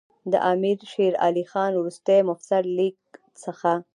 د امیر شېر علي خان وروستي مفصل لیک څخه.